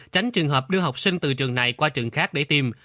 tránh trường hợp đưa học sinh từ trường này qua trường khác để tìm